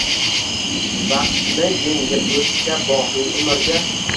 Vaqtni yengib o‘tishga, boqiy umrga.